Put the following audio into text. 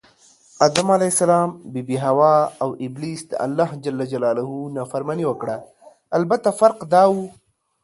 آدم ع، بي بي حوا اوابلیس دالله ج نافرماني وکړه البته فرق دا و